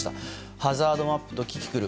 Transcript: ハザードマップとキキクル。